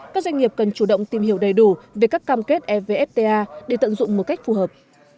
các doanh nghiệp cần chủ động tìm hiểu đầy đủ về các cam kết evfta để tận dụng một cách phù hợp